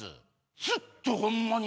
ずっとホンマに。